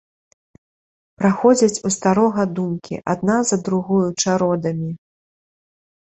Праходзяць у старога думкі адна за другою чародамі.